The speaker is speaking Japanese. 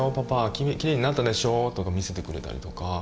きれいになったでしょ」とか見せてくれたりとか。